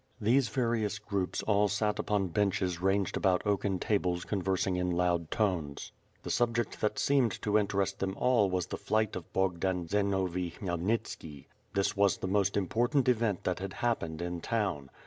These various groups all sat upon benches ranged about oaken tables conversing in loud tones. The subject that seemed to interest them all was the flight of Bogdan Zenovi Khmyelnitski. This w^s the most important event that had happened in town.